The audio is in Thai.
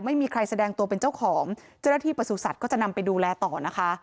ไม่มีใครแสดงตัวเป็นเจ้าของเจ้าหน้าที่ประสุทธิ์ก็จะนำไปดูแลต่อนะคะ